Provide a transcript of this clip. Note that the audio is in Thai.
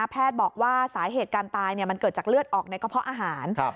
บอกว่าสาเหตุการตายมันเกิดจากเลือดออกในกระเพาะอาหาร